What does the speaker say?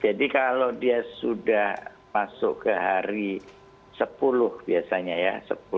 jadi kalau dia sudah masuk ke hari sepuluh biasanya ya sepuluh sebelas